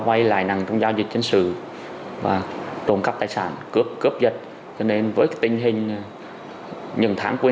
quay lại nặng trong giao dịch chính sự và trộm cắp tài sản cướp dịch với tình hình những tháng cuối